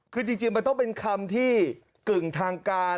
คือจริงมันต้องเป็นคำที่กึ่งทางการ